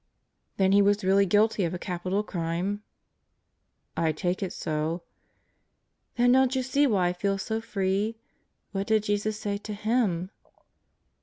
"Then he was really guilty of a capital crime?" "I take it so." "Then don't you see why I feel so free? What did Jesus say to him?"